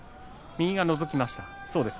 右がのぞきました。